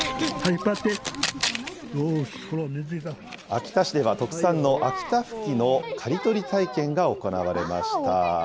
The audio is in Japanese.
秋田市では特産の秋田ふきの刈り取り体験が行われました。